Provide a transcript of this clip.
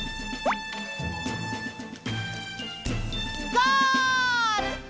ゴール！